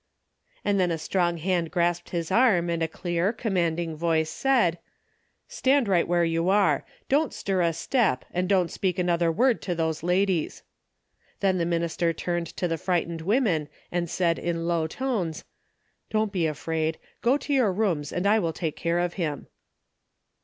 And then a strong hand grasped his arm and a clear, commanding voice said, " Stand right where you are ! Don't stir a step, and don't speak another word to those ladies." Then the minister turned to the frightened women and said in low tones, " Don't be afraid, go to your rooms and I will take care of him."